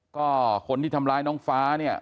ก็คนที่ทำร้ายน้องฟ้าเนี่ย